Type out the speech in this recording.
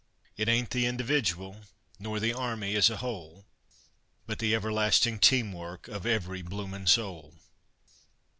It ain't the individual, Nor the army as a whole, But the everlasting team work Of every bloomin' soul.